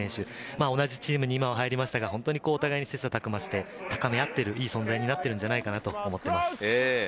今は同じチームですが、お互いに切磋琢磨して高め合っている、いい存在になっているんじゃないかと思います。